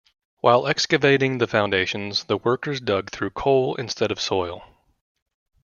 While excavating the foundations, the workers dug through coal instead of soil.